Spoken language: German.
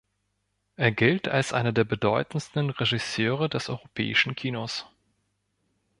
Er gilt als einer der bedeutendsten Regisseure des europäischen Kinos.